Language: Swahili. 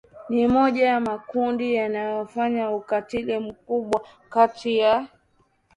ni mmoja ya makundi yanayofanya ukatili mkubwa kati ya